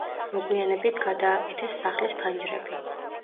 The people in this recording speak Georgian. მოგვიანებით გადააკეთეს სახლის ფანჯრები.